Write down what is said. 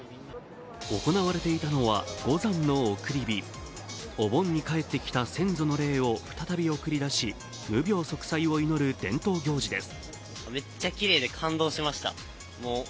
行われていたのは五山の送り火お盆に帰ってきた先祖の霊を再び送り出し、無病息災を祈る伝統行事です。